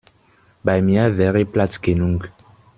Bei mir wäre Platz genug.